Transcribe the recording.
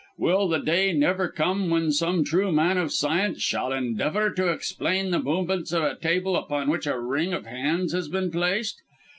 Will the day never come when some true man of science shall endeavour to explain the movements of a table upon which a ring of hands has been placed?